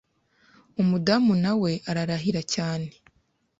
umudamu nawe ararahira cyane